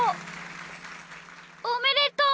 おめでとう！